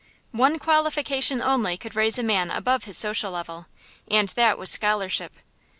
One qualification only could raise a man above his social level, and that was scholarship.